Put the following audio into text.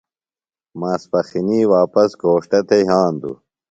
ماسپخِنی واپس گھوݜٹہ تھےۡ یھاندُوۡ۔